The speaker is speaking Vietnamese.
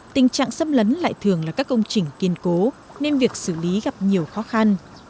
tình trạng xâm lấn lại thường là các công trình kiên cố nên việc xử lý gặp nhiều khó khăn